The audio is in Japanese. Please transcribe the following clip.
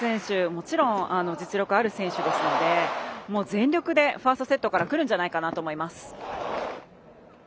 もちろん実力ある選手ですので全力でファーストセットからくるんじゃないかと思います。